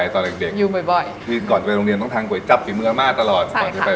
ที่ก่อนไปโรงเรียนต้องทานก๋วยจับผิมือมากตลอด